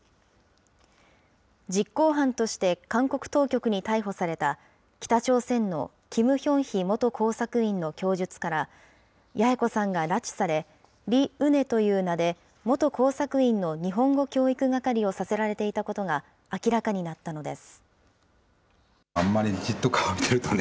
実行犯として韓国当局に逮捕された、北朝鮮のキム・ヒョンヒ元工作員の供述から、八重子さんが拉致され、リ・ウネという名で、元工作員の日本語教育係をさせられていたことが明らかになったのです。